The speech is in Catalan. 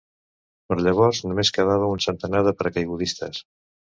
Per llavors només quedava un centenar de paracaigudistes.